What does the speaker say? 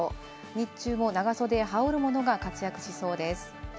日中も長袖や羽織るものが活躍しそうです。